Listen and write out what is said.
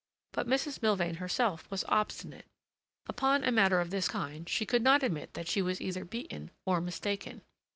But Mrs. Milvain herself was obstinate; upon a matter of this kind she could not admit that she was either beaten or mistaken.